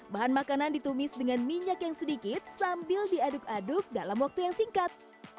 bahan makanan ditumis dengan minyak yang sedikit sambil diaduk aduk dalam waktu yang singkat